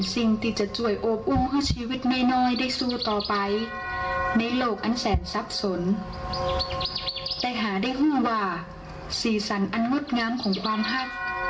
สีสันอันมดงามของความห้าม